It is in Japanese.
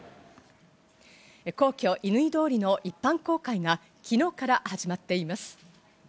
皇居・乾通りの一般公開が昨日から始まっています。